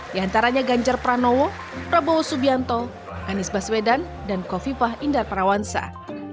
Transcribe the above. diantaranya ganjar pranowo prabowo subianto anies baswedan dan kofi fah indar parawansyah